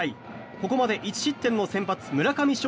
ここまで１失点の先発村上頌